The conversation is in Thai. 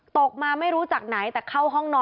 ตกมาไม่รู้จากไหน